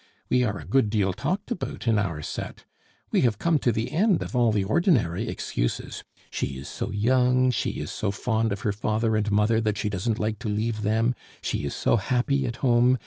We are a good deal talked about in our set. We have come to the end of all the ordinary excuses 'She is so young. She is so fond of her father and mother that she doesn't like to leave them. She is so happy at home.